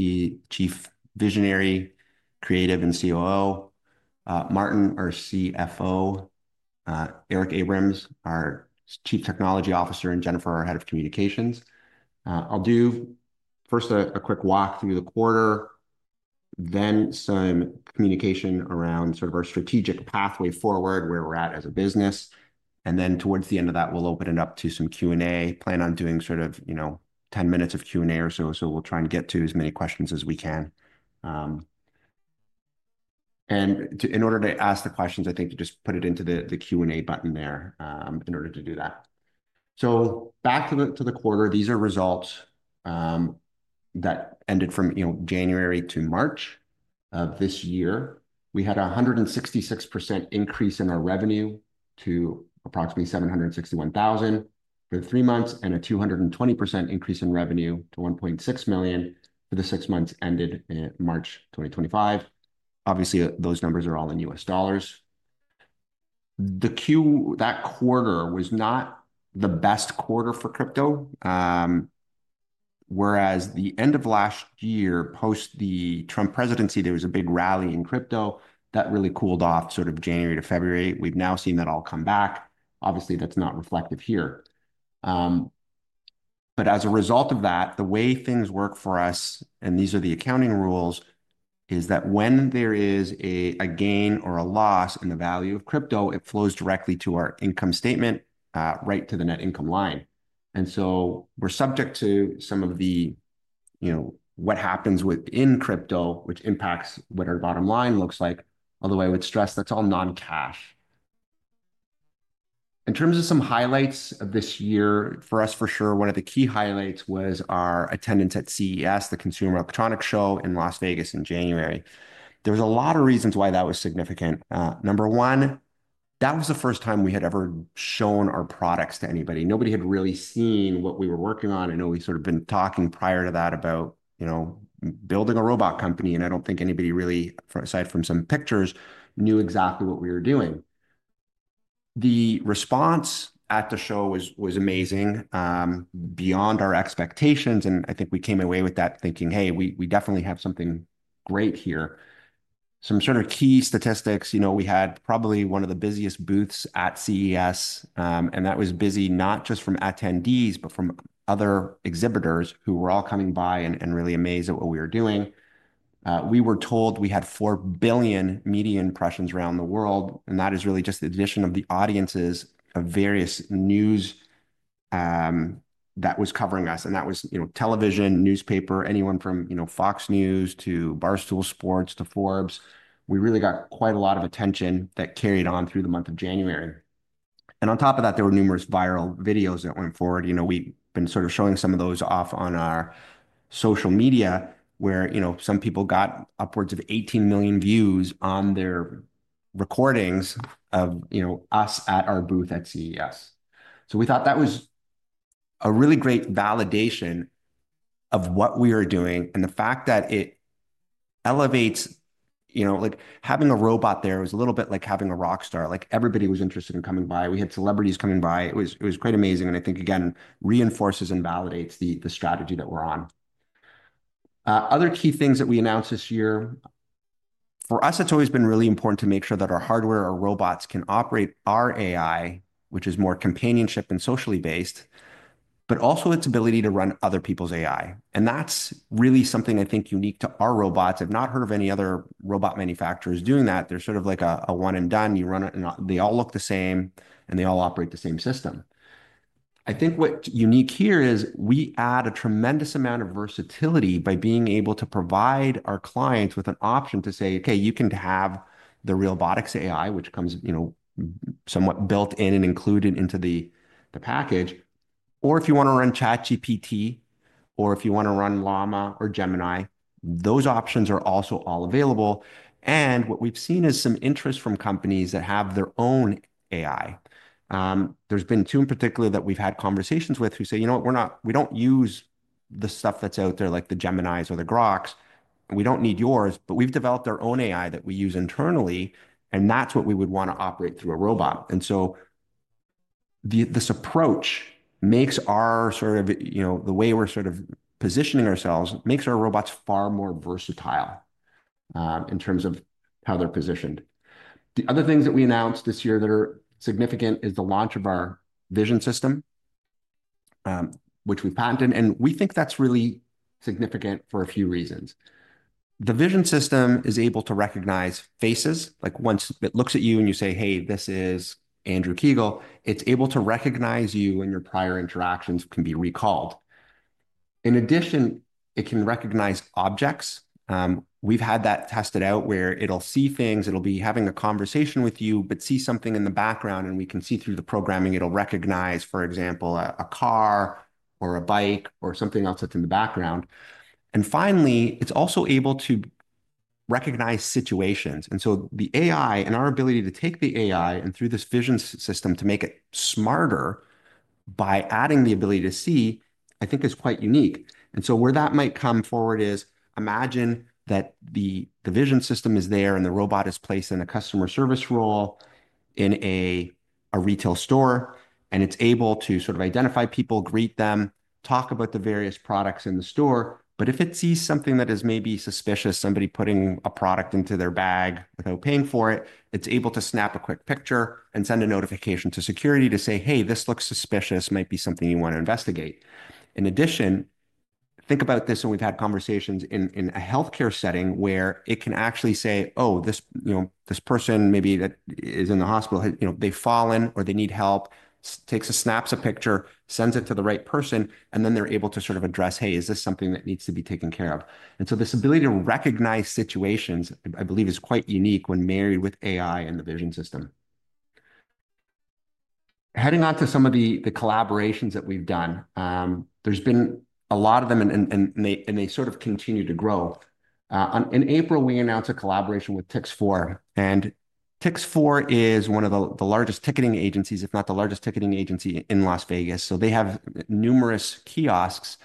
The chief visionary, creative, and COO. Martin, our CFO. Eric Abrahams, our Chief Technology Officer, and Jennifer, our head of communications. I'll do first a quick walk through the quarter, then some communication around sort of our strategic pathway forward, where we're at as a business. Then towards the end of that, we'll open it up to some Q&A. Plan on doing sort of, you know, 10 minutes of Q&A or so, so we'll try and get to as many questions as we can. In order to ask the questions, I think you just put it into the Q&A button there, in order to do that. So back to the quarter, these are results, that ended from, you know, January to March of this year. We had a 166% increase in our revenue to approximately $761,000 for three months and a 220% increase in revenue to $1.6 million for the six months ended in March 2025. Obviously, those numbers are all in U.S. dollars. That quarter was not the best quarter for crypto, whereas the end of last year, post the Trump presidency, there was a big rally in crypto that really cooled off sort of January to February. We've now seen that all come back. Obviously, that's not reflective here, but as a result of that, the way things work for us, and these are the accounting rules, is that when there is a gain or a loss in the value of crypto, it flows directly to our income statement, right to the net income line. And so we're subject to some of the, you know, what happens within crypto, which impacts what our bottom line looks like. Although I would stress that's all non-cash. In terms of some highlights of this year for us, for sure, one of the key highlights was our attendance at CES, the Consumer Electronics Show in Las Vegas in January. There was a lot of reasons why that was significant. number one, that was the first time we had ever shown our products to anybody. Nobody had really seen what we were working on. I know we've sort of been talking prior to that about, you know, building a robot company, and I don't think anybody really, aside from some pictures, knew exactly what we were doing. The response at the show was amazing, beyond our expectations, and I think we came away with that thinking, hey, we definitely have something great here. Some sort of key statistics, you know, we had probably one of the busiest booths at CES, and that was busy not just from attendees, but from other exhibitors who were all coming by and really amazed at what we were doing. We were told we had four billion media impressions around the world, and that is really just the addition of the audiences of various news that was covering us. That was, you know, television, newspaper, anyone from, you know, Fox News to Barstool Sports to Forbes. We really got quite a lot of attention that carried on through the month of January. On top of that, there were numerous viral videos that went forward. You know, we've been sort of showing some of those off on our social media where, you know, some people got upwards of 18 million views on their recordings of, you know, us at our booth at CES. So we thought that was a really great validation of what we were doing and the fact that it elevates, you know, like having a robot there was a little bit like having a rock star. Like everybody was interested in coming by. We had celebrities coming by. It was, it was quite amazing. And I think, again, reinforces and validates the strategy that we're on. other key things that we announced this year, for us, it's always been really important to make sure that our hardware, our robots can operate our AI, which is more companionship and socially based, but also its ability to run other people's AI. And that's really something I think unique to our robots. I've not heard of any other robot manufacturers doing that. They're sort of like a one and done. You run it, and they all look the same, and they all operate the same system. I think what's unique here is we add a tremendous amount of versatility by being able to provide our clients with an option to say, okay, you can have the Realbotix AI, which comes, you know, somewhat built in and included into the package. Or if you want to run ChatGPT, or if you want to run Llama or Gemini, those options are also all available. And what we've seen is some interest from companies that have their own AI. there's been two in particular that we've had conversations with who say, you know what, we're not, we don't use the stuff that's out there, like the Geminis or the Grocks. We don't need yours, but we've developed our own AI that we use internally, and that's what we would want to operate through a robot. And so this approach makes our sort of, you know, the way we're sort of positioning ourselves makes our robots far more versatile, in terms of how they're positioned. The other things that we announced this year that are significant is the launch of our vision system, which we patented, and we think that's really significant for a few reasons. The vision system is able to recognize faces. Like once it looks at you and you say, hey, this is Andrew Kiguel, it's able to recognize you and your prior interactions can be recalled. In addition, it can recognize objects. We've had that tested out where it'll see things, it'll be having a conversation with you, but see something in the background, and we can see through the programming, it'll recognize, for example, a car or a bike or something else that's in the background. Finally, it's also able to recognize situations. So the AI and our ability to take the AI and through this vision system to make it smarter by adding the ability to see, I think is quite unique. So where that might come forward is imagine that the vision system is there and the robot is placed in a customer service role in a retail store, and it's able to sort of identify people, greet them, talk about the various products in the store. If it sees something that is maybe suspicious, somebody putting a product into their bag without paying for it, it's able to snap a quick picture and send a notification to security to say, hey, this looks suspicious, might be something you want to investigate. In addition, think about this when we've had conversations in a healthcare setting where it can actually say, oh, this, you know, this person maybe that is in the hospital, you know, they've fallen or they need help, takes a snaps a picture, sends it to the right person, and then they're able to sort of address, hey, is this something that needs to be taken care of? And so this ability to recognize situations, I believe, is quite unique when married with AI and the vision system. Heading on to some of the collaborations that we've done, there's been a lot of them and they sort of continue to grow. In April, we announced a collaboration with Tix4and Tix4 is one of the largest ticketing agencies, if not the largest ticketing agency in Las Vegas. They have numerous kiosks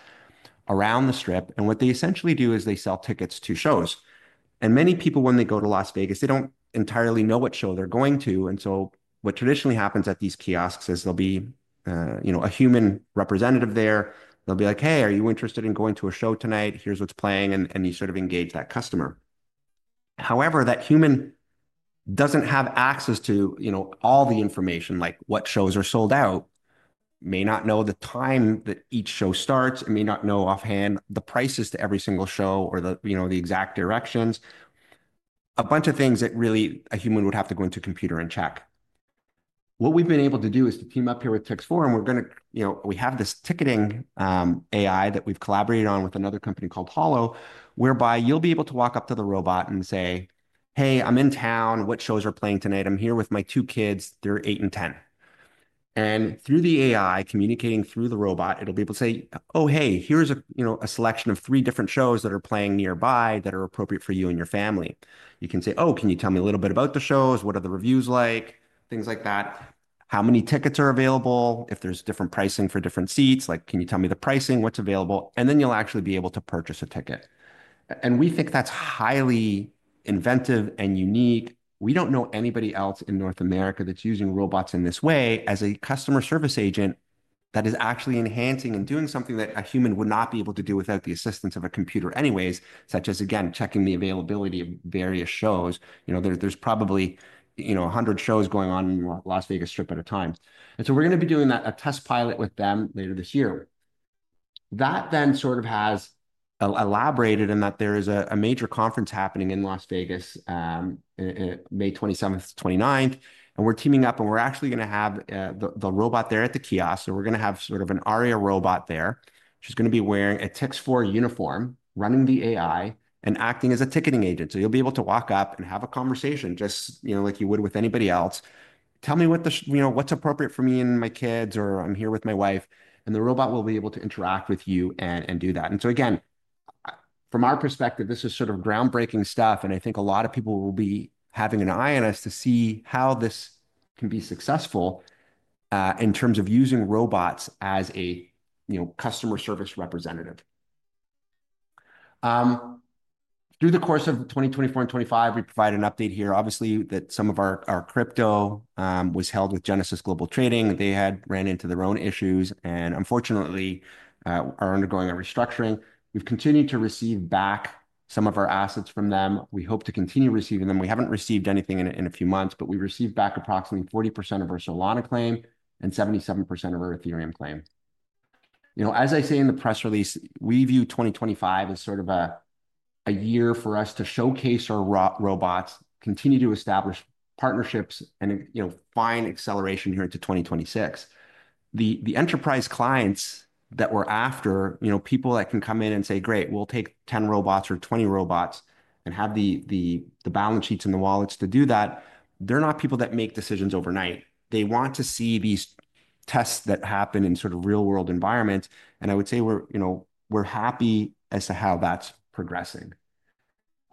around the strip. What they essentially do is they sell tickets to shows. Many people, when they go to Las Vegas, they don't entirely know what show they're going to. What traditionally happens at these kiosks is there'll be, you know, a human representative there. They'll be like, hey, are you interested in going to a show tonight? Here's what's playing. You sort of engage that customer. However, that human doesn't have access to, you know, all the information, like what shows are sold out, may not know the time that each show starts, and may not know offhand the prices to every single show or the, you know, the exact directions. A bunch of things that really a human would have to go into a computer and check. What we've been able to do is to team up here with Tix4, and we're going to, you know, we have this ticketing, AI that we've collaborated on with another company called Hollo, whereby you'll be able to walk up to the robot and say, hey, I'm in town. What shows are playing tonight? I'm here with my two kids. They're eight and ten. And through the AI, communicating through the robot, it'll be able to say, oh, hey, here's a, you know, a selection of three different shows that are playing nearby that are appropriate for you and your family. You can say, oh, can you tell me a little bit about the shows? What are the reviews like? Things like that. How many tickets are available? If there's different pricing for different seats, like, can you tell me the pricing? What's available? And then you'll actually be able to purchase a ticket. And we think that's highly inventive and unique. We don't know anybody else in North America that's using robots in this way as a customer service agent that is actually enhancing and doing something that a human would not be able to do without the assistance of a computer anyways, such as, again, checking the availability of various shows. You know, there's probably, you know, a hundred shows going on in the Las Vegas strip at a time. And so we're going to be doing a test pilot with them later this year. That then sort of has elaborated in that there is a major conference happening in Las Vegas, May 27th, 29th. And we're teaming up and we're actually going to have the robot there at the kiosk. So we're going to have sort of an Aria robot there, which is going to be wearing a Tix4 uniform, running the AI and acting as a ticketing agent. So you'll be able to walk up and have a conversation just, you know, like you would with anybody else. Tell me what the, you know, what's appropriate for me and my kids, or I'm here with my wife. And the robot will be able to interact with you and do that. And so again, from our perspective, this is sort of groundbreaking stuff. And I think a lot of people will be having an eye on us to see how this can be successful, in terms of using robots as a, you know, customer service representative. through the course of 2024 and 25, we provide an update here. Obviously, that some of our crypto, was held with Genesis Global Trading. They had ran into their own issues and unfortunately, are undergoing a restructuring. We've continued to receive back some of our assets from them. We hope to continue receiving them. We haven't received anything in a few months, but we received back approximately 40% of our Solana claim and 77% of our Ethereum claim. You know, as I say in the press release, we view 2025 as sort of a year for us to showcase our robots, continue to establish partnerships and, you know, find acceleration here into 2026. The enterprise clients that we're after, you know, people that can come in and say, great, we'll take 10 robots or 20 robots and have the balance sheets and the wallets to do that. They're not people that make decisions overnight. They want to see these tests that happen in sort of real-world environments. And I would say we're, you know, we're happy as to how that's progressing.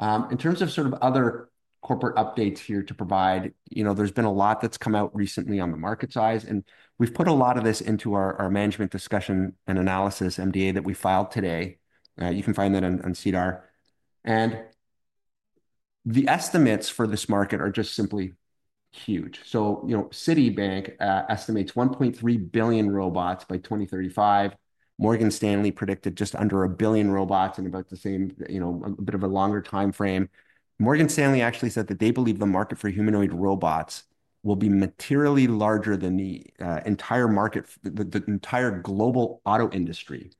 in terms of sort of other corporate updates here to provide, you know, there's been a lot that's come out recently on the market size. And we've put a lot of this into our management discussion and analysis MDA that we filed today. You can find that on CDAR. And the estimates for this market are just simply huge. So, you know, Citibank estimates 1.3 billion robots by 2035. Morgan Stanley predicted just under a billion robots in about the same, you know, a bit of a longer time frame. Morgan Stanley actually said that they believe the market for humanoid robots will be materially larger than the entire market, the entire global auto industry.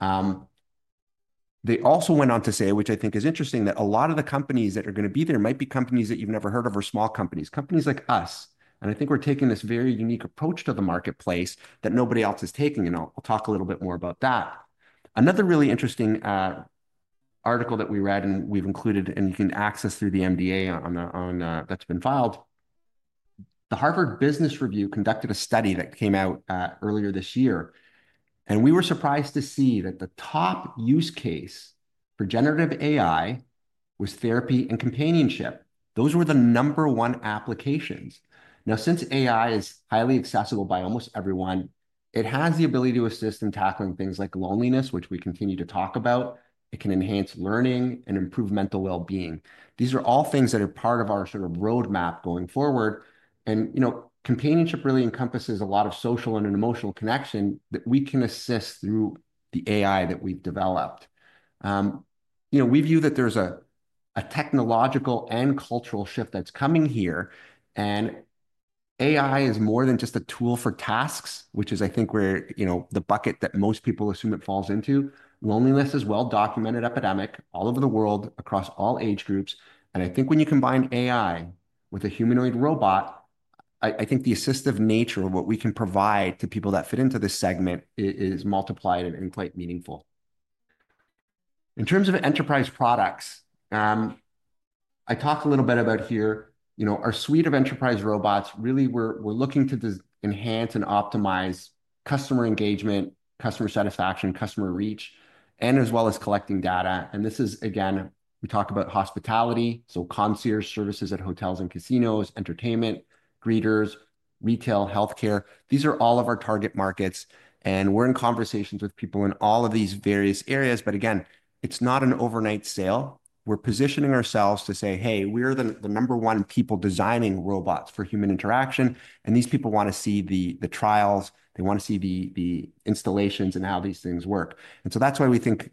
They also went on to say, which I think is interesting, that a lot of the companies that are going to be there might be companies that you've never heard of or small companies, companies like us. And I think we're taking this very unique approach to the marketplace that nobody else is taking. And I'll talk a little bit more about that. Another really interesting, article that we read and we've included, and you can access through the MDA on the, on, that's been filed. The Harvard Business Review conducted a study that came out, earlier this year. And we were surprised to see that the top use case for generative AI was therapy and companionship. Those were the number one applications. Now, since AI is highly accessible by almost everyone, it has the ability to assist in tackling things like loneliness, which we continue to talk about. It can enhance learning and improve mental well-being. These are all things that are part of our sort of roadmap going forward. And, you know, companionship really encompasses a lot of social and an emotional connection that we can assist through the AI that we've developed. you know, we view that there's a technological and cultural shift that's coming here. And AI is more than just a tool for tasks, which is, I think, where, you know, the bucket that most people assume it falls into. Loneliness is well-documented epidemic all over the world, across all age groups. And I think when you combine AI with a humanoid robot, I think the assistive nature of what we can provide to people that fit into this segment is multiplied and quite meaningful. In terms of enterprise products, I talked a little bit about here, you know, our suite of enterprise robots really we're looking to enhance and optimize customer engagement, customer satisfaction, customer reach, and as well as collecting data. And this is, again, we talk about hospitality, so concierge services at hotels and casinos, entertainment, greeters, retail, healthcare. These are all of our target markets. And we're in conversations with people in all of these various areas. But again, it's not an overnight sale. We're positioning ourselves to say, hey, we're the number one people designing robots for human interaction. And these people want to see the trials. They want to see the installations and how these things work. And so that's why we think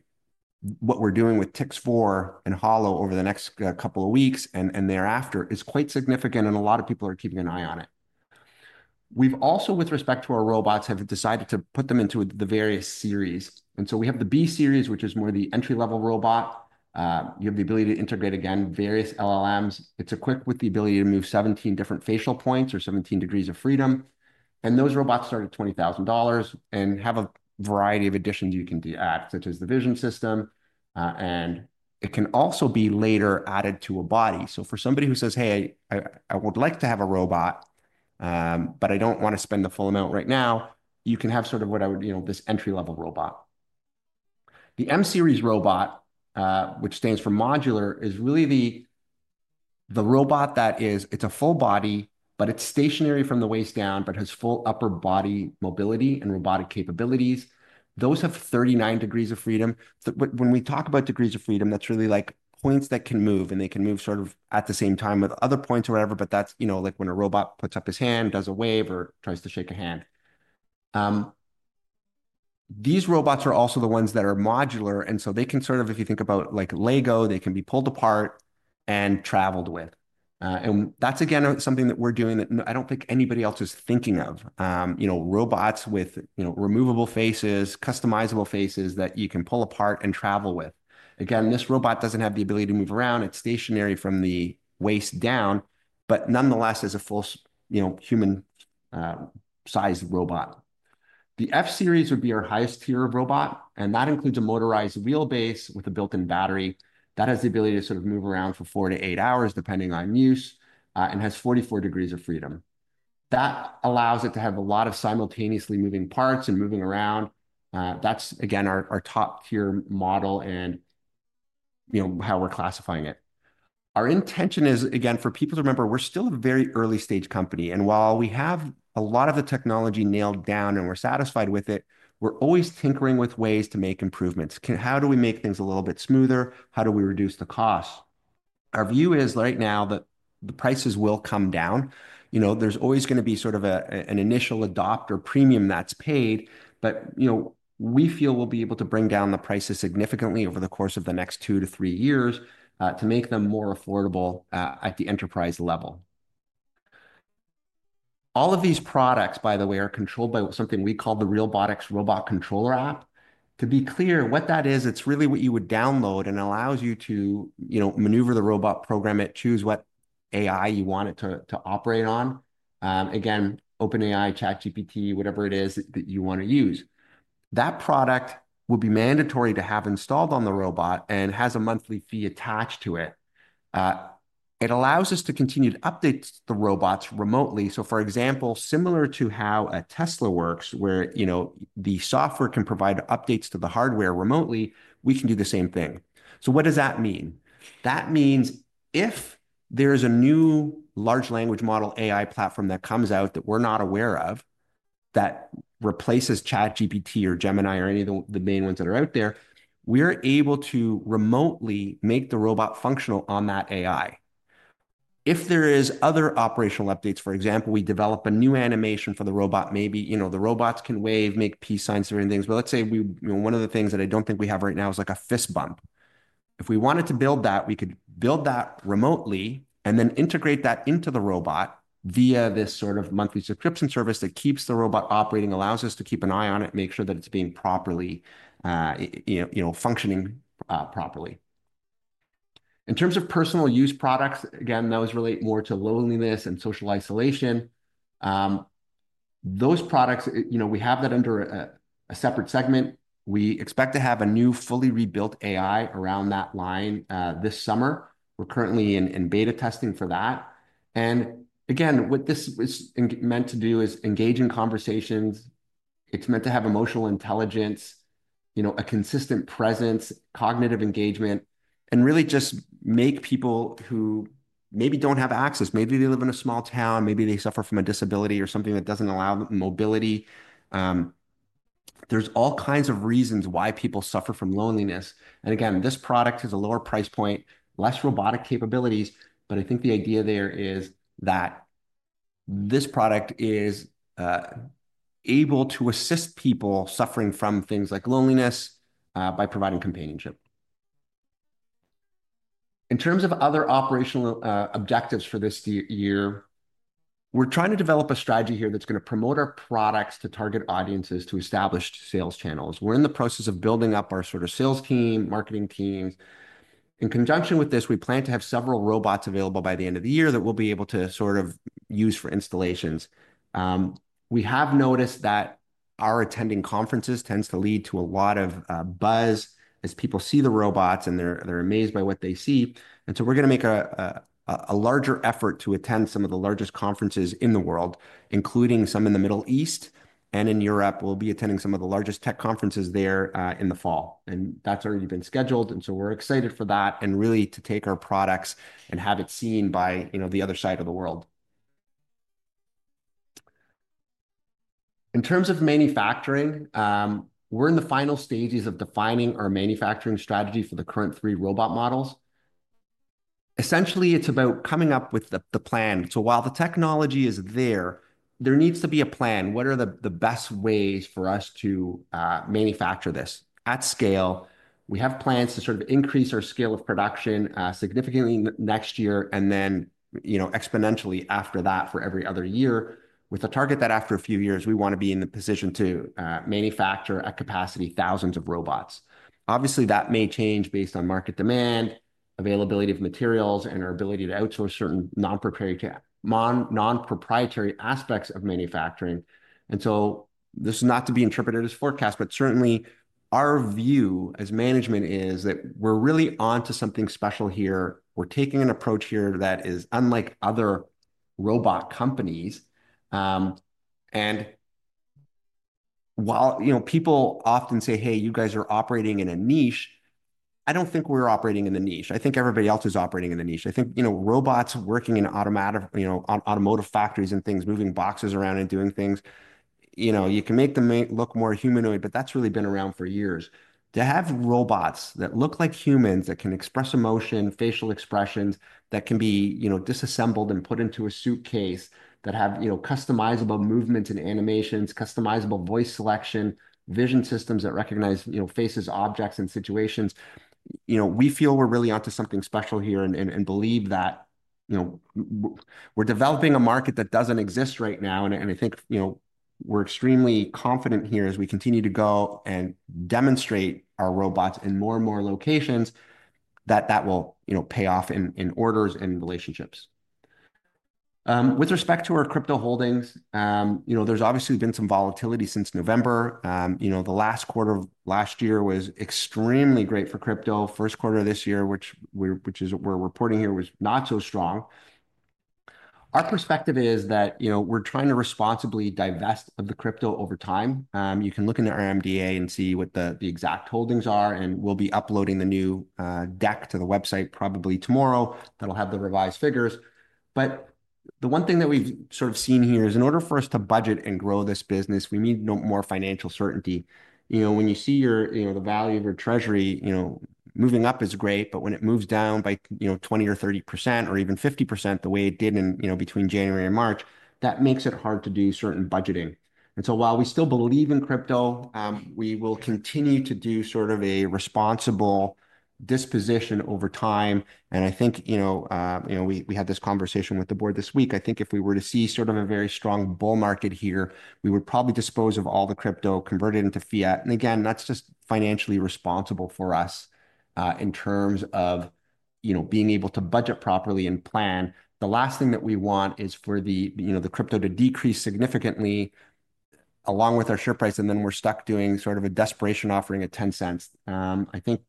what we're doing with Tix4 and Hollo over the next couple of weeks and thereafter is quite significant. And a lot of people are keeping an eye on it. We've also, with respect to our robots, have decided to put them into the various series. And so we have the B series, which is more the entry-level robot. you have the ability to integrate again various LLMs. It's equipped with the ability to move 17 different facial points or 17 degrees of freedom. And those robots start at $20,000 and have a variety of additions you can add, such as the vision system. and it can also be later added to a body. So for somebody who says, hey, I would like to have a robot, but I don't want to spend the full amount right now, you can have sort of what I would, you know, this entry-level robot. The M-series robot, which stands for modular, is really the the robot that is, it's a full body, but it's stationary from the waist down, but has full upper body mobility and robotic capabilities. Those have 39 degrees of freedom. But when we talk about degrees of freedom, that's really like points that can move, and they can move sort of at the same time with other points or whatever. But that's, you know, like when a robot puts up his hand, does a wave, or tries to shake a hand. These robots are also the ones that are modular. And so they can sort of, if you think about like Lego, they can be pulled apart and traveled with. And that's, again, something that we're doing that I don't think anybody else is thinking of. You know, robots with, you know, removable faces, customizable faces that you can pull apart and travel with. Again, this robot doesn't have the ability to move around. It's stationary from the waist down, but nonetheless is a full, you know, human-sized robot. The F-series would be our highest tier of robot. And that includes a motorized wheelbase with a built-in battery that has the ability to sort of move around for four to eight hours, depending on use, and has 44 degrees of freedom. That allows it to have a lot of simultaneously moving parts and moving around. that's, again, our top tier model and, you know, how we're classifying it. Our intention is, again, for people to remember, we're still a very early stage company. And while we have a lot of the technology nailed down and we're satisfied with it, we're always tinkering with ways to make improvements. How do we make things a little bit smoother? How do we reduce the cost? Our view is right now that the prices will come down. You know, there's always going to be sort of an initial adopter premium that's paid. But, you know, we feel we'll be able to bring down the prices significantly over the course of the next two to three years to make them more affordable at the enterprise level. All of these products, by the way, are controlled by something we call the Realbotix Robot Controller app. To be clear what that is, it's really what you would download and allows you to, you know, maneuver the robot, program it, choose what AI you want it to operate on. again, OpenAI, ChatGPT, whatever it is that you want to use. That product will be mandatory to have installed on the robot and has a monthly fee attached to it. it allows us to continue to update the robots remotely. So, for example, similar to how a Tesla works, where, you know, the software can provide updates to the hardware remotely, we can do the same thing. So what does that mean? That means if there is a new large language model AI platform that comes out that we're not aware of, that replaces ChatGPT or Gemini or any of the main ones that are out there, we're able to remotely make the robot functional on that AI. If there are other operational updates, for example, we develop a new animation for the robot, maybe, you know, the robots can wave, make peace signs and various things. But let's say we, you know, one of the things that I don't think we have right now is like a fist bump. If we wanted to build that, we could build that remotely and then integrate that into the robot via this sort of monthly subscription service that keeps the robot operating, allows us to keep an eye on it, make sure that it's being properly, you know, functioning, properly. In terms of personal use products, again, those relate more to loneliness and social isolation. those products, you know, we have that under a separate segment. We expect to have a new fully rebuilt AI around that line, this summer. We're currently in beta testing for that. And again, what this is meant to do is engage in conversations. It's meant to have emotional intelligence, you know, a consistent presence, cognitive engagement, and really just make people who maybe don't have access, maybe they live in a small town, maybe they suffer from a disability or something that doesn't allow mobility. there's all kinds of reasons why people suffer from loneliness. And again, this product has a lower price point, less robotic capabilities, but I think the idea there is that this product is, able to assist people suffering from things like loneliness, by providing companionship. In terms of other operational, objectives for this year, we're trying to develop a strategy here that's going to promote our products to target audiences, to established sales channels. We're in the process of building up our sort of sales team, marketing teams. In conjunction with this, we plan to have several robots available by the end of the year that we'll be able to sort of use for installations. we have noticed that our attending conferences tends to lead to a lot of, buzz as people see the robots and they're, they're amazed by what they see. And so we're going to make a, a, a larger effort to attend some of the largest conferences in the world, including some in the Middle East and in Europe. We'll be attending some of the largest tech conferences there, in the fall. And that's already been scheduled. And so we're excited for that and really to take our products and have it seen by, you know, the other side of the world. In terms of manufacturing, we're in the final stages of defining our manufacturing strategy for the current three robot models. Essentially, it's about coming up with the plan. So while the technology is there, there needs to be a plan. What are the best ways for us to, manufacture this at scale? We have plans to sort of increase our scale of production, significantly next year and then, you know, exponentially after that for every other year, with a target that after a few years, we want to be in the position to, manufacture at capacity thousands of robots. Obviously, that may change based on market demand, availability of materials, and our ability to outsource certain non-proprietary aspects of manufacturing. And so this is not to be interpreted as forecast, but certainly our view as management is that we're really on to something special here. We're taking an approach here that is unlike other robot companies. and while, you know, people often say, hey, you guys are operating in a niche, I don't think we're operating in the niche. I think everybody else is operating in the niche. I think, you know, robots working in automatic, you know, automotive factories and things, moving boxes around and doing things. You know, you can make them look more humanoid, but that's really been around for years. To have robots that look like humans that can express emotion, facial expressions, that can be, you know, disassembled and put into a suitcase, that have, you know, customizable movements and animations, customizable voice selection, vision systems that recognize, you know, faces, objects, and situations. You know, we feel we're really on to something special here and believe that, you know, we're developing a market that doesn't exist right now. And I think, you know, we're extremely confident here as we continue to go and demonstrate our robots in more and more locations that that will, you know, pay off in orders and relationships. With respect to our crypto holdings, you know, there's obviously been some volatility since November. You know, the last quarter of last year was extremely great for crypto. First quarter of this year, which we're reporting here, was not so strong. Our perspective is that, you know, we're trying to responsibly divest of the crypto over time. You can look in the RMBA and see what the exact holdings are. And we'll be uploading the new deck to the website probably tomorrow. That'll have the revised figures. But the one thing that we've sort of seen here is in order for us to budget and grow this business, we need more financial certainty. You know, when you see your, you know, the value of your treasury, you know, moving up is great. But when it moves down by, you know, 20 or 30% or even 50% the way it did in, you know, between January and March, that makes it hard to do certain budgeting. And so while we still believe in crypto, we will continue to do sort of a responsible disposition over time. And I think, you know, you know, we had this conversation with the board this week. I think if we were to see sort of a very strong bull market here, we would probably dispose of all the crypto, convert it into fiat. And again, that's just financially responsible for us, in terms of, you know, being able to budget properly and plan. The last thing that we want is for the, you know, the crypto to decrease significantly along with our share price. And then we're stuck doing sort of a desperation offering at 10 cents. I think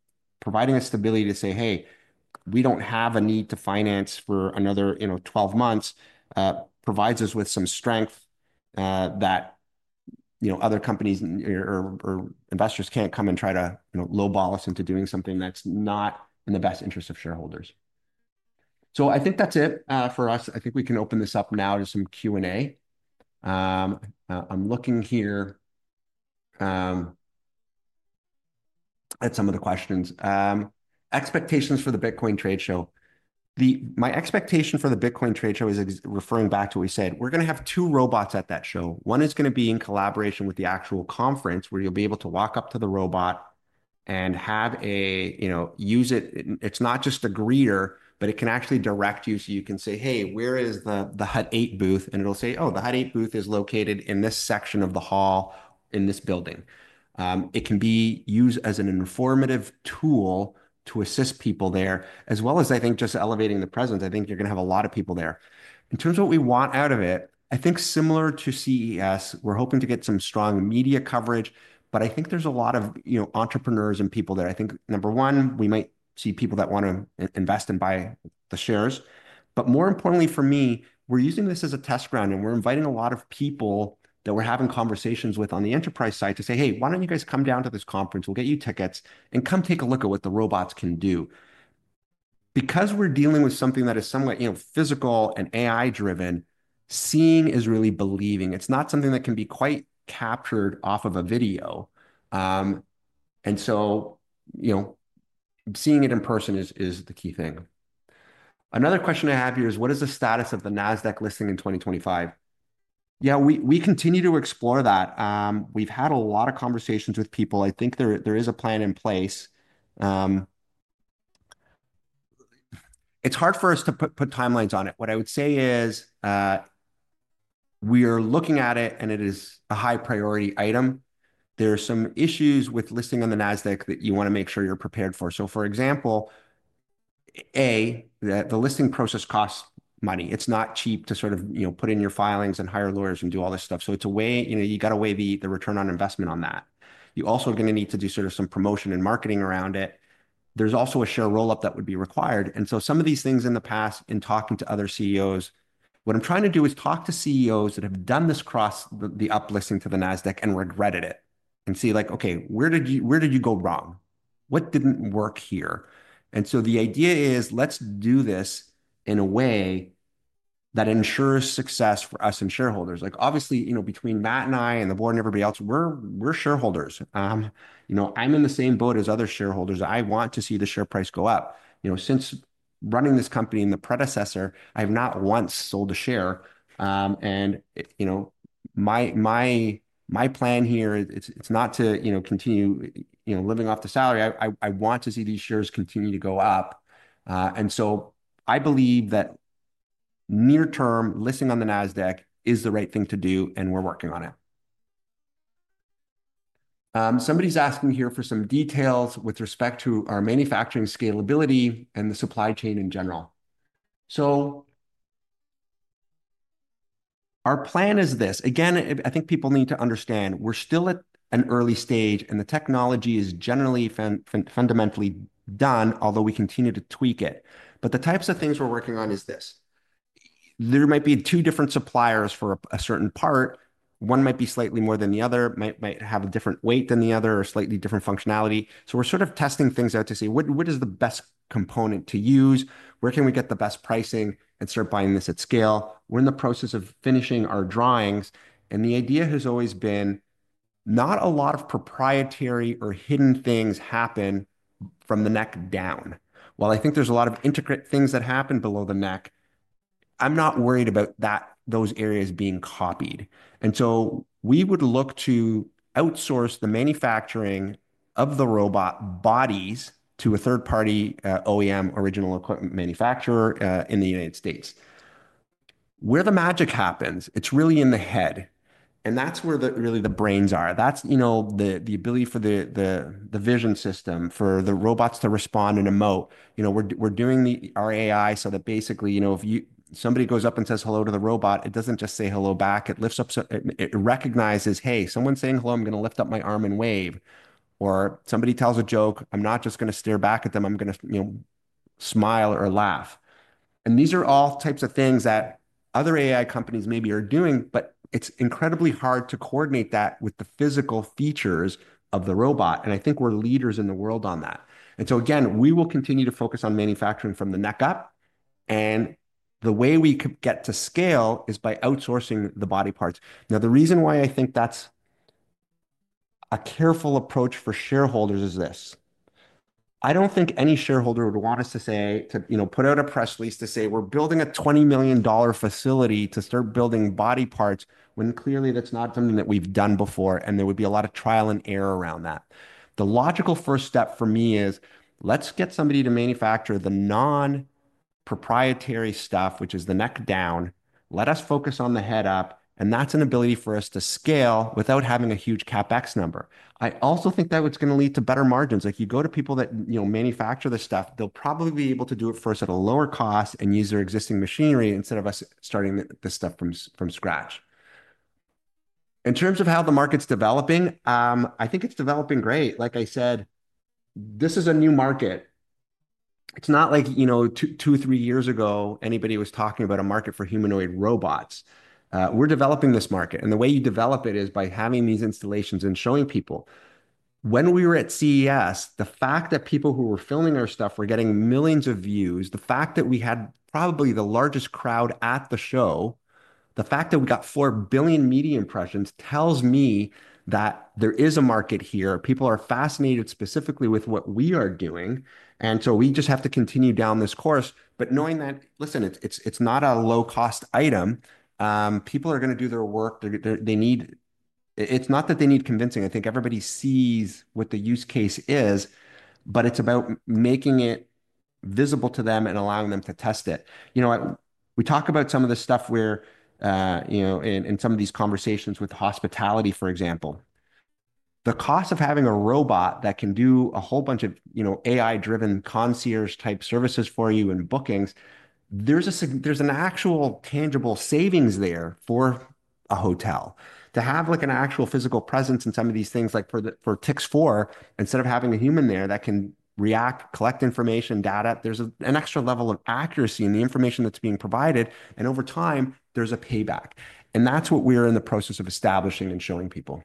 providing a stability to say, hey, we don't have a need to finance for another, you know, 12 months, provides us with some strength, that, you know, other companies or or investors can't come and try to, you know, lowball us into doing something that's not in the best interest of shareholders. So I think that's it, for us. I think we can open this up now to some Q&A. I'm looking here, at some of the questions. expectations for the Bitcoin trade show. My expectation for the Bitcoin trade show is referring back to what we said. We're going to have two robots at that show. One is going to be in collaboration with the actual conference where you'll be able to walk up to the robot and have a, you know, use it. It's not just a greeter, but it can actually direct you. So you can say, hey, where is the the HUD 8 booth? And it'll say, oh, the HUD 8 booth is located in this section of the hall in this building. it can be used as an informative tool to assist people there, as well as, I think, just elevating the presence. I think you're going to have a lot of people there. In terms of what we want out of it, I think similar to CES, we're hoping to get some strong media coverage. But I think there's a lot of, you know, entrepreneurs and people there. I think, number one, we might see people that want to invest and buy the shares. But more importantly for me, we're using this as a test ground. And we're inviting a lot of people that we're having conversations with on the enterprise side to say, hey, why don't you guys come down to this conference? We'll get you tickets and come take a look at what the robots can do. Because we're dealing with something that is somewhat, you know, physical and AI driven, seeing is really believing. It's not something that can be quite captured off of a video. and so, you know, seeing it in person is is the key thing. Another question I have here is, what is the status of the Nasdaq listing in 2025? Yeah, we we continue to explore that. we've had a lot of conversations with people. I think there there is a plan in place. it's hard for us to put timelines on it. What I would say is, we are looking at it and it is a high priority item. There are some issues with listing on the Nasdaq that you want to make sure you're prepared for. So, for example, A, that the listing process costs money. It's not cheap to sort of, you know, put in your filings and hire lawyers and do all this stuff. So it's a way, you know, you got to weigh the the return on investment on that. You also are going to need to do sort of some promotion and marketing around it. There's also a share roll-up that would be required. And so some of these things in the past, in talking to other CEOs, what I'm trying to do is talk to CEOs that have done this cross the up listing to the Nasdaq and regretted it and see like, okay, where did you where did you go wrong? What didn't work here? And so the idea is let's do this in a way that ensures success for us and shareholders. Like obviously, you know, between Matt and I and the board and everybody else, we're we're shareholders. you know, I'm in the same boat as other shareholders. I want to see the share price go up. You know, since running this company and the predecessor, I've not once sold a share. and, you know, my my my plan here, it's it's not to, you know, continue, you know, living off the salary. I I I want to see these shares continue to go up. and so I believe that near-term listing on the Nasdaq is the right thing to do and we're working on it. somebody's asking here for some details with respect to our manufacturing scalability and the supply chain in general. So our plan is this. Again, I think people need to understand we're still at an early stage and the technology is generally fundamentally done, although we continue to tweak it. But the types of things we're working on is this. There might be two different suppliers for a certain part. One might be slightly more than the other, might have a different weight than the other or slightly different functionality. So we're sort of testing things out to see what is the best component to use, where can we get the best pricing and start buying this at scale. We're in the process of finishing our drawings. And the idea has always been not a lot of proprietary or hidden things happen from the neck down. While I think there's a lot of integrate things that happen below the neck, I'm not worried about that those areas being copied. And so we would look to outsource the manufacturing of the robot bodies to a third-party OEM, original equipment manufacturer in the United States. Where the magic happens, it's really in the head. And that's where the really the brains are. That's, you know, the ability for the the vision system for the robots to respond and emote. You know, we're doing the our AI so that basically, you know, if you somebody goes up and says hello to the robot, it doesn't just say hello back. It lifts up. It recognizes, hey, someone's saying hello. I'm going to lift up my arm and wave. Or somebody tells a joke. I'm not just going to stare back at them. I'm going to, you know, smile or laugh. And these are all types of things that other AI companies maybe are doing, but it's incredibly hard to coordinate that with the physical features of the robot. And I think we're leaders in the world on that. And so again, we will continue to focus on manufacturing from the neck up. And the way we get to scale is by outsourcing the body parts. Now, the reason why I think that's a careful approach for shareholders is this. I don't think any shareholder would want us to say, to, you know, put out a press release to say we're building a $20 million facility to start building body parts when clearly that's not something that we've done before. And there would be a lot of trial and error around that. The logical first step for me is let's get somebody to manufacture the non-proprietary stuff, which is the neck down. Let us focus on the head up. And that's an ability for us to scale without having a huge CapEx number. I also think that it's going to lead to better margins. If you go to people that, you know, manufacture this stuff, they'll probably be able to do it first at a lower cost and use their existing machinery instead of us starting this stuff from scratch. In terms of how the market's developing, I think it's developing great. Like I said, this is a new market. It's not like, you know, two, three years ago, anybody was talking about a market for humanoid robots. We're developing this market. And the way you develop it is by having these installations and showing people. When we were at CES, the fact that people who were filming our stuff were getting millions of views, the fact that we had probably the largest crowd at the show, the fact that we got 4 billion media impressions tells me that there is a market here. People are fascinated specifically with what we are doing. And so we just have to continue down this course. But knowing that, listen, it's not a low-cost item. people are going to do their work. They need, it's not that they need convincing. I think everybody sees what the use case is, but it's about making it visible to them and allowing them to test it. You know, we talk about some of the stuff where, you know, in some of these conversations with hospitality, for example, the cost of having a robot that can do a whole bunch of, you know, AI-driven concierge-type services for you and bookings, there's a, there's an actual tangible savings there for a hotel to have like an actual physical presence in some of these things. Like for Tix4, instead of having a human there that can react, collect information, data, there's an extra level of accuracy in the information that's being provided. And over time, there's a payback. And that's what we are in the process of establishing and showing people.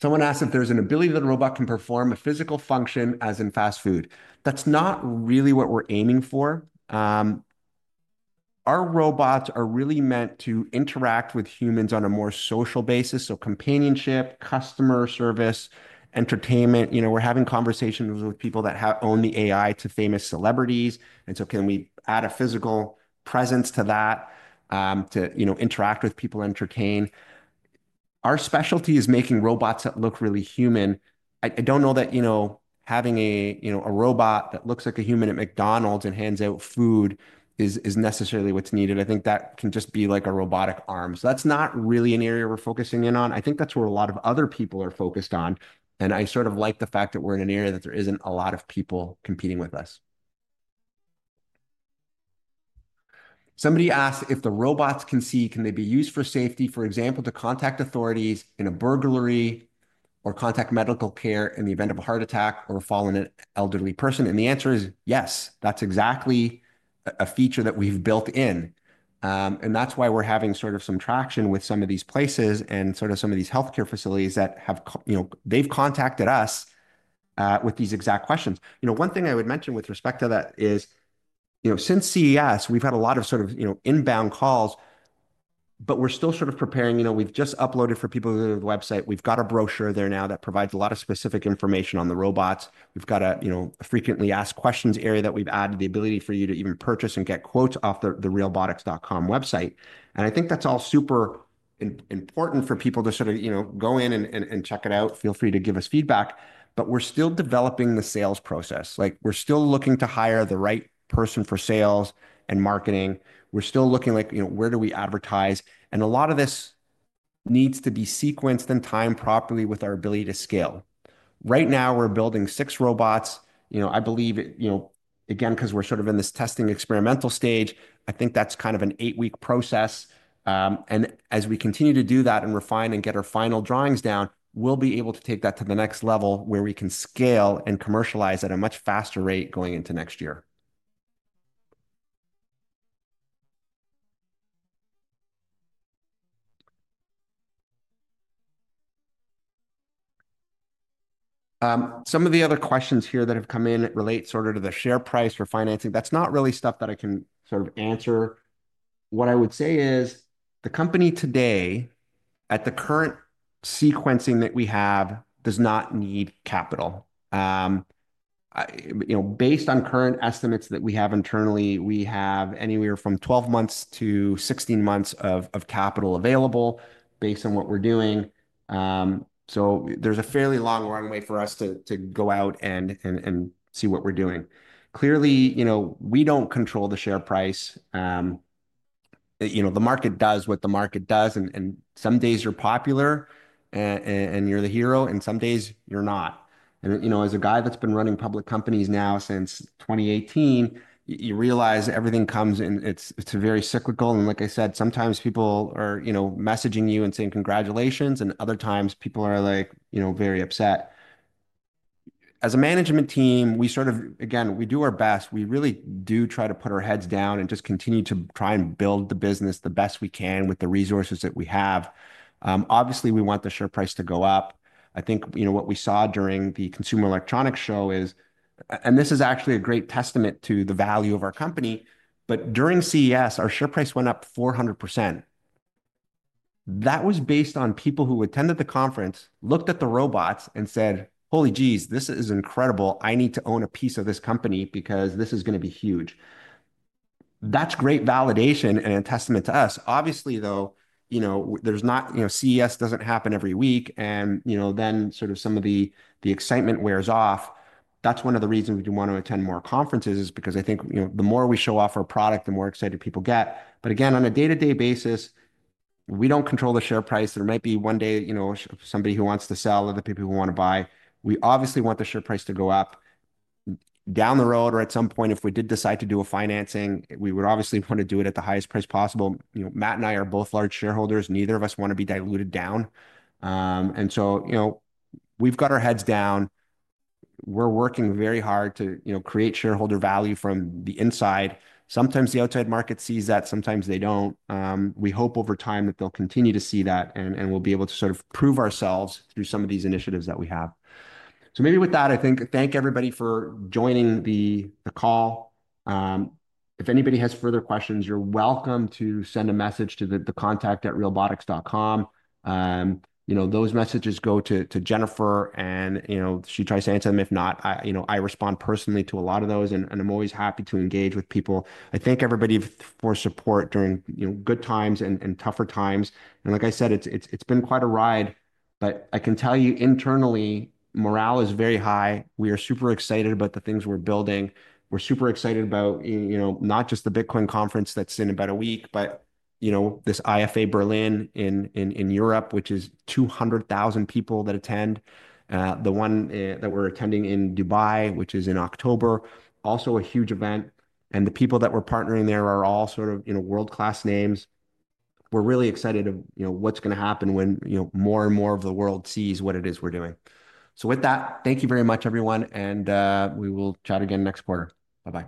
Someone asked if there's an ability that a robot can perform a physical function as in fast food. That's not really what we're aiming for. Our robots are really meant to interact with humans on a more social basis. So companionship, customer service, entertainment. You know, we're having conversations with people that have owned the AI to famous celebrities. And so can we add a physical presence to that, to, you know, interact with people, entertain. Our specialty is making robots that look really human. I don't know that, you know, having a, you know, a robot that looks like a human at McDonald's and hands out food is is necessarily what's needed. I think that can just be like a robotic arm. So that's not really an area we're focusing in on. I think that's where a lot of other people are focused on. And I sort of like the fact that we're in an area that there isn't a lot of people competing with us. Somebody asked if the robots can see, can they be used for safety, for example, to contact authorities in a burglary or contact medical care in the event of a heart attack or a fallen elderly person. And the answer is yes. That's exactly a feature that we've built in. and that's why we're having sort of some traction with some of these places and sort of some of these healthcare facilities that have, you know, they've contacted us, with these exact questions. You know, one thing I would mention with respect to that is, you know, since CES, we've had a lot of sort of, you know, inbound calls, but we're still sort of preparing. You know, we've just uploaded for people to the website. We've got a brochure there now that provides a lot of specific information on the robots. We've got a, you know, a frequently asked questions area that we've added the ability for you to even purchase and get quotes off the realbotix.com website. And I think that's all super important for people to sort of, you know, go in and check it out. Feel free to give us feedback. But we're still developing the sales process. Like we're still looking to hire the right person for sales and marketing. We're still looking like, you know, where do we advertise. And a lot of this needs to be sequenced and timed properly with our ability to scale. Right now, we're building six robots. You know, I believe, you know, again, because we're sort of in this testing experimental stage, I think that's kind of an eight-week process. and as we continue to do that and refine and get our final drawings down, we'll be able to take that to the next level where we can scale and commercialize at a much faster rate going into next year. Some of the other questions here that have come in relate sort of to the share price for financing. That's not really stuff that I can sort of answer. What I would say is the company today, at the current sequencing that we have, does not need capital. You know, based on current estimates that we have internally, we have anywhere from 12 months to 16 months of capital available based on what we're doing. so there's a fairly long runway for us to to go out and and and see what we're doing. Clearly, you know, we don't control the share price. you know, the market does what the market does. And and some days you're popular and and and you're the hero. And some days you're not. And, you know, as a guy that's been running public companies now since 2018, you realize everything comes in. It's it's very cyclical. And like I said, sometimes people are, you know, messaging you and saying congratulations. And other times people are like, you know, very upset. As a management team, we sort of, again, we do our best. We really do try to put our heads down and just continue to try and build the business the best we can with the resources that we have. obviously, we want the share price to go up. I think, you know, what we saw during the Consumer Electronics Show is, and this is actually a great testament to the value of our company. But during CES, our share price went up 400%. That was based on people who attended the conference, looked at the robots and said, holy geez, this is incredible. I need to own a piece of this company because this is going to be huge. That's great validation and a testament to us. Obviously, though, you know, there's not, you know, CES doesn't happen every week. And, you know, then sort of some of the the excitement wears off. That's one of the reasons we want to attend more conferences is because I think, you know, the more we show off our product, the more excited people get. But again, on a day-to-day basis, we don't control the share price. There might be one day, you know, somebody who wants to sell, other people who want to buy. We obviously want the share price to go up. Down the road, or at some point, if we did decide to do a financing, we would obviously want to do it at the highest price possible. You know, Matt and I are both large shareholders. Neither of us want to be diluted down. and so, you know, we've got our heads down. We're working very hard to, you know, create shareholder value from the inside. Sometimes the outside market sees that. Sometimes they don't. we hope over time that they'll continue to see that and and we'll be able to sort of prove ourselves through some of these initiatives that we have. So maybe with that, I think thank everybody for joining the the call. if anybody has further questions, you're welcome to send a message to the contact@realbotix.com. you know, those messages go to to Jennifer and, you know, she tries to answer them. If not, I, you know, I respond personally to a lot of those and and I'm always happy to engage with people. I thank everybody for support during, you know, good times and and tougher times. And like I said, it's it's it's been quite a ride, but I can tell you internally, morale is very high. We are super excited about the things we're building. We're super excited about, you know, not just the Bitcoin conference that's in about a week, but, you know, this IFA Berlin in in in Europe, which is 200,000 people that attend. the one that we're attending in Dubai, which is in October, also a huge event. And the people that we're partnering there are all sort of, you know, world-class names. We're really excited of, you know, what's going to happen when, you know, more and more of the world sees what it is we're doing. So with that, thank you very much, everyone. And, we will chat again next quarter. Bye-bye.